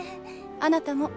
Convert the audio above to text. あなたも。